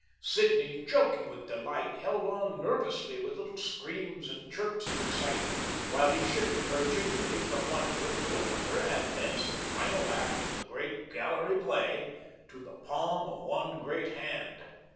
Sidney, choking with delight, held on nervously, with little screams and chirps of excitement, while he shifted her gingerly from one foot to another, and thence, the final act, the great gallery play, to the palm of one great hand.